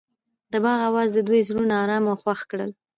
د باغ اواز د دوی زړونه ارامه او خوښ کړل.